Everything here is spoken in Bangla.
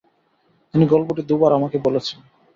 তিনি গল্পটি দুবার আমাকে বলেছেন।